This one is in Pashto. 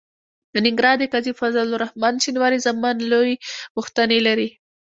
د ننګرهار د قاضي فضل الرحمن شینواري زامن لویې غوښتنې لري.